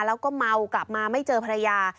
แล้วก็เมากลับมาไม่เจอภรรยา